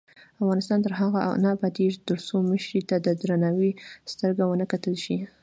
افغانستان تر هغو نه ابادیږي، ترڅو مشرې ته د درناوي سترګه ونه کتل شي.